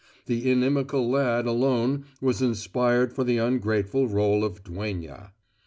The inimical lad alone was inspired for the ungrateful role of duenna.